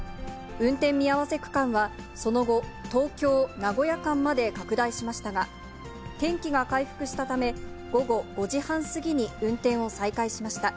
運転見合わせ区間はその後、東京・名古屋間まで拡大しましたが、天気が回復したため、午後５時半過ぎに運転を再開しました。